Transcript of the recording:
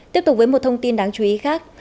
tiếp tục với một thông tin đáng chú ý khác